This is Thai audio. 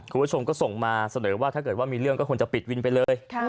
คุณผู้ชมก็ส่งมาเสนอว่าถ้าเกิดว่ามีเรื่องก็คงจะปิดวินไปเลย